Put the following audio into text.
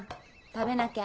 食べなきゃ。